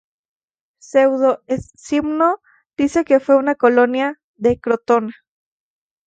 Pseudo-Escimno dice que fue una colonia de Crotona.